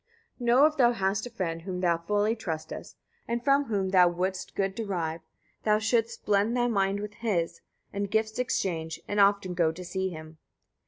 44. Know, if thou hast a friend whom thou fully trustest, and from whom thou woulds't good derive, thou shouldst blend thy mind with his, and gifts exchange, and often go to see him.